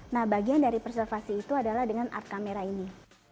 nah bagian dari preservasi itu adalah dengan art kamera ini